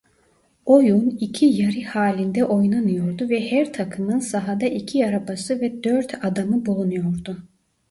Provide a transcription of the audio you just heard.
Oyun iki yarı halinde oynanıyordu ve her takımın sahada iki arabası ve dört adamı bulunuyordu.